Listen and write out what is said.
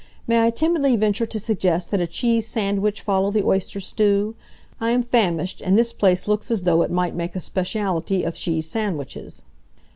May I timidly venture to suggest that a cheese sandwich follow the oyster stew? I am famished, and this place looks as though it might make a speciality of cheese sandwiches."